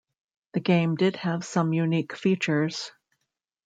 The game did have some unique features.